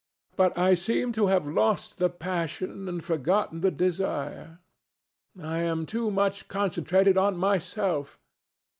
"But I seem to have lost the passion and forgotten the desire. I am too much concentrated on myself.